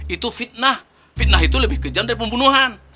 itu fitnah fitnah itu lebih kejam dari pembunuhan